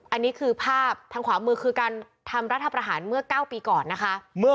อันนี้คือภาพทางขวามือคือการทำรัฐประหารเมื่อ๙ปีก่อนนะคะ